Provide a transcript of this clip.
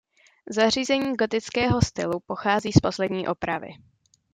Zařízení gotického stylu pochází z poslední opravy.